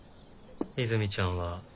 泉ちゃんは？